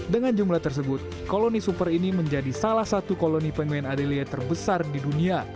dengan jumlah tersebut koloni super ini menjadi salah satu koloni pemain adelia terbesar di dunia